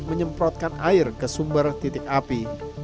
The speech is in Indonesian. menyemprotkan air ke sumber titik api